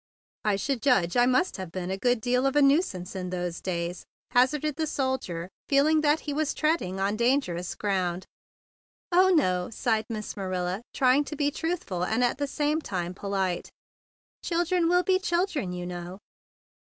"I should judge I must have been a good deal of a nuisance in those days," hazarded the soldier, feeling that he was treading on dangerous ground. "Oh, no!" sighed Miss Marilla, try¬ ing to be truthful and at the same time polite. "Children will be children, you know."